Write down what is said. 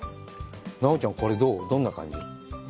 奈緒ちゃん、これ、どんな感じ？